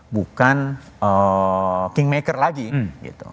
bukan king maker lagi gitu